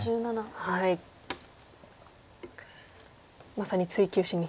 まさに「追求」しに。